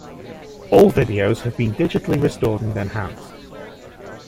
All videos have been digitally restored and enhanced.